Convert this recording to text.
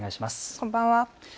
こんばんは。